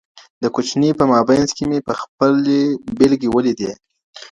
د کوچني په مابينځ کي مي خپلي بېلګې ولیدې.